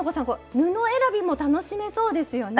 布選びも楽しめそうですよね。